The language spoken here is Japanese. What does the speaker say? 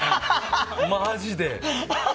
マジで。